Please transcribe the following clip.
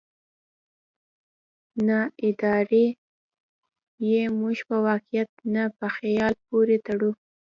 ناارادي يې موږ په واقعيت نه، په خيال پورې تړو.